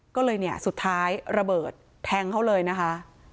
ก็เลยเนี่ยสุดท้ายระเบิดแทงเขาเลยนะคะ